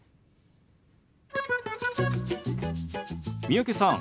三宅さん